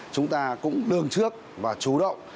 chúng ta cũng lường trước và chủ động